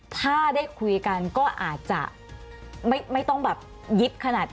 ถ้าได้คุยกันก็อาจจะไม่ต้องแบบยิบขนาดนี้